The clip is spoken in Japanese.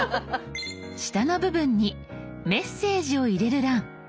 下の部分にメッセージを入れる欄。